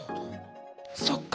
そっか。